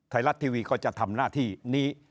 ไทยรัฐทีวีก็จะทำหน้าที่นี้